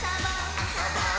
「あそぼー！」